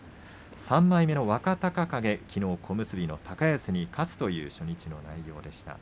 ３枚目の若隆景きのう小結の高安に勝つという初日の内容でした。